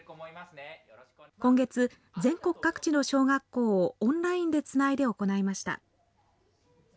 今月、全国各地の小学校をオンラインでつないで行いました。